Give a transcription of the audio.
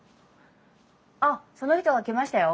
あっその人が来ましたよ。